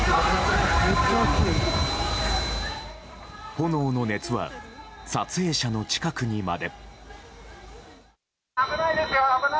炎の熱は撮影者の近くにまで。